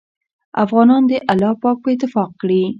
افغانان دې الله پاک په اتفاق کړي